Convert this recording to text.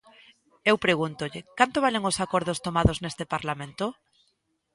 Eu pregúntolle: ¿canto valen os acordos tomados neste Parlamento?